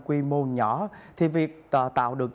quy mô nhỏ thì việc tạo được